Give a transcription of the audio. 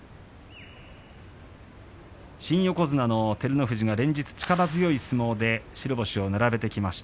新横綱照ノ富士が連日、力強い相撲で白星を並べてきました。